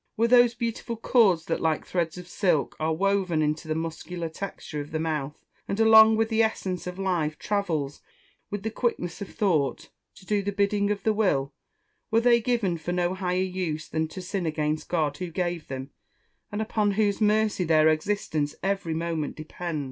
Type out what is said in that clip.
Were those beautiful cords that like threads of silk are woven into the muscular texture of the mouth, and along which the essence of life travels with the quickness of thought, to do the bidding of the will were they given for no higher use than to sin against the God who gave them, and upon whose mercy their existence every moment depends?